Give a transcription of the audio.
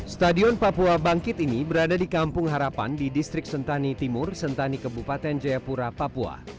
stadion papua bangkit ini berada di kampung harapan di distrik sentani timur sentani kebupaten jayapura papua